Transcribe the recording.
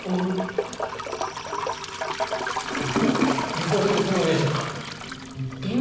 尾行するつもりでしょうか？